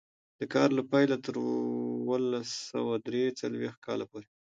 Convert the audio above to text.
د کار له پیله تر اوولس سوه درې څلوېښت کاله پورې.